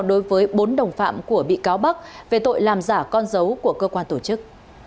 đối với bốn đồng phạm của bị cáo bắc về tội làm giả con dấu của cơ quan tổ chức